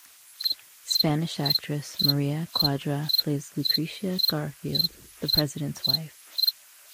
Spanish actress Maria Cuadra plays Lucreatia Garfield, the President's wife.